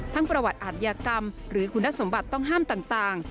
ทั้งประวัติอาทยากรรมหรือคุณศัตริย์สมบัติต้องห้ามต่าง